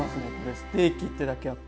ステーキってだけあって。